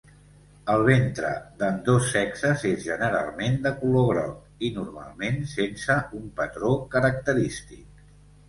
El ventre d'ambdós sexes és, generalment, de color groc i, normalment, sense un patró característic.